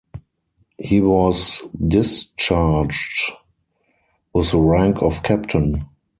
He was discharged with the rank of Captain.